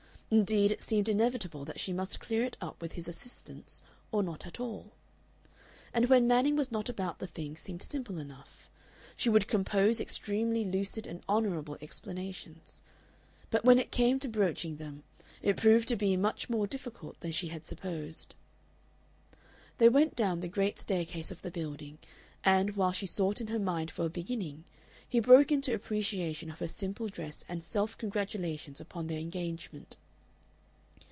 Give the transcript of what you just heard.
Indeed, it seemed inevitable that she must clear it up with his assistance, or not at all. And when Manning was not about the thing seemed simple enough. She would compose extremely lucid and honorable explanations. But when it came to broaching them, it proved to be much more difficult than she had supposed. They went down the great staircase of the building, and, while she sought in her mind for a beginning, he broke into appreciation of her simple dress and self congratulations upon their engagement.